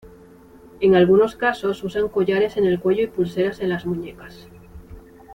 En algunos casos usan collares en el cuello y pulseras en las muñecas.